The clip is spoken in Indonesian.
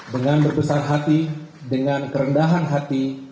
dengan berpesan hati dengan kerendahan hati